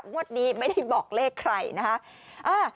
งวดนี้ไม่ได้บอกเลขใครนะคะ